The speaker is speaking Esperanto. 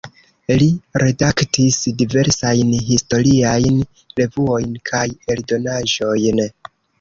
Li redaktis diversajn historiajn revuojn kaj eldonaĵojn.